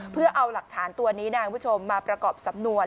เพื่อเอาหลักฐานตัวนี้นะคุณผู้ชมมาประกอบสำนวน